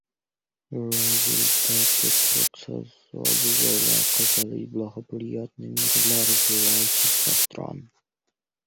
Результаты процесса обзора оказались благоприятными для развивающихся стран.